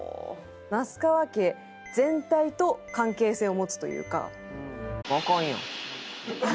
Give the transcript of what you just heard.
那須川家全体と関係性を持つというか。